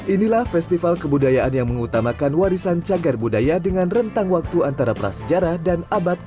inilah festival kebudayaan yang mengutamakan warisan cagar budaya dengan rentang waktu antara prasejarah dan abad ke tujuh